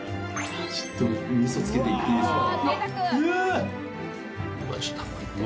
ちょっと味噌つけていっていいですか。